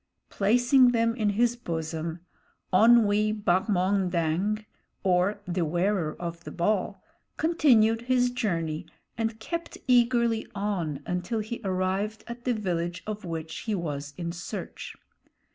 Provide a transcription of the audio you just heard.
Placing them in his bosom, Onwee Bahmondang, or The Wearer of the Ball, continued his journey and kept eagerly on until he arrived at the village of which he was in search.